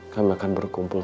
kami akan berkumpul